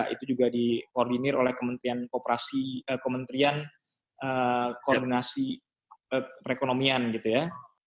itu juga dikoordinir oleh kementerian koordinasi perekonomian gitu ya